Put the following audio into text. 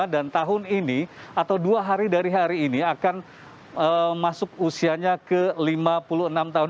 dan tahun ini atau dua hari dari hari ini akan masuk usianya ke lima puluh enam tahun